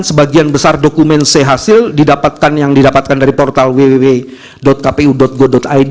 sebagian besar dokumen c hasil yang didapatkan dari portal www kpu go id